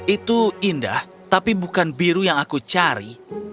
itu indah tapi bukan biru yang aku cari